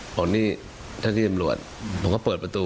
บอกนี่ท่านที่ตำรวจผมก็เปิดประตู